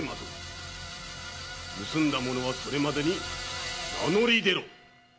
盗んだ者はそれまでに名乗り出ろ！